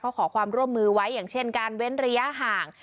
ขอความร่วมมือไว้อย่างเช่นการเว้นระยะห่าง